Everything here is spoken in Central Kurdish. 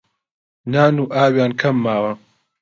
نان و ئاویان کەم ماوە